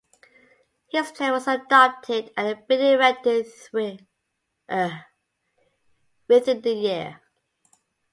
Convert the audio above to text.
His plan was adopted and the building erected within the year.